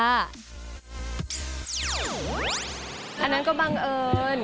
อันนั้นก็บังเอิญ